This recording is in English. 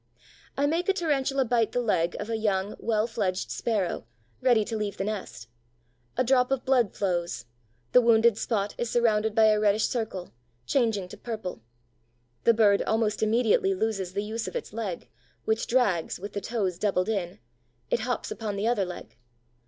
I make a Tarantula bite the leg of a young, well fledged Sparrow, ready to leave the nest. A drop of blood flows; the wounded spot is surrounded by a reddish circle, changing to purple. The bird almost immediately loses the use of its leg, which drags, with the toes doubled in; it hops upon the other leg.